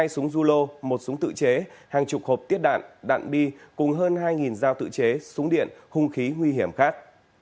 hai súng du lô một súng tự chế hàng chục hộp tiết đạn đạn bi cùng hơn hai dao tự chế súng điện hung khí nguy hiểm khác